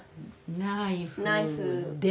ナイフ「で」